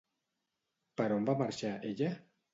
Per on va marxar ella?